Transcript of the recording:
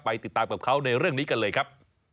ติดตามกับเขาในเรื่องนี้กันเลยครับ